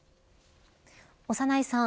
長内さん